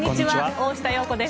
大下容子です。